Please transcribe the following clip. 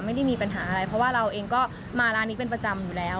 ไม่ได้มีปัญหาอะไรเพราะว่าเราเองก็มาร้านนี้เป็นประจำอยู่แล้ว